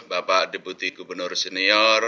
bapak deputi gubernur senior